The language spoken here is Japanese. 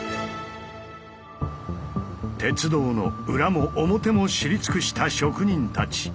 鉄道の裏も表も知り尽くした職人たち。